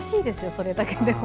それだけでも。